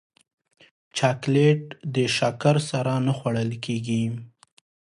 چاکلېټ د شکر سره نه خوړل کېږي.